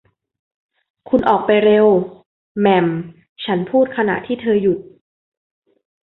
คุณออกไปเร็ว แหม่ม ฉันพูดขณะที่เธอหยุด